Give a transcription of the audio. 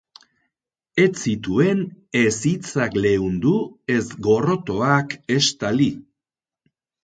Ez zituen ez hitzak leundu, ez gorrotoak estali.